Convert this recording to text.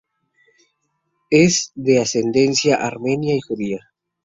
Es de ascendencia armenia y judía.